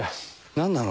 何なの？